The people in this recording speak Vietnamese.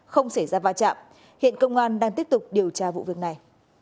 không xảy ra va chạm hiện công an đang tiếp tục điều tra vụ việc này